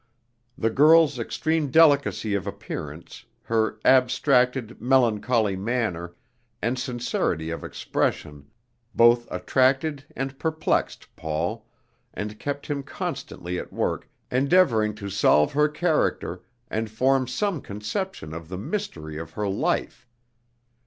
The girl's extreme delicacy of appearance, her abstracted, melancholy manner, and sincerity of expression, both attracted and perplexed Paul, and kept him constantly at work endeavoring to solve her character and form some conception of the mystery of her life.